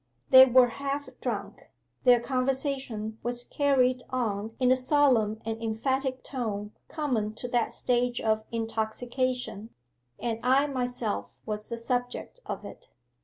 They were half drunk their conversation was carried on in the solemn and emphatic tone common to that stage of intoxication, and I myself was the subject of it.